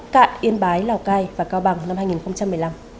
cạn yên bái lào cai và cao bằng năm hai nghìn một mươi năm